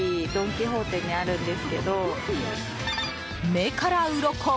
目からうろこ！